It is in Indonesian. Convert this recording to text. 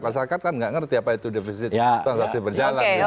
masyarakat kan gak ngerti apa itu defisit transaksi berjalan gitu loh